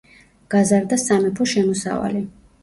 გაზარდა სამეფო შემოსავალი.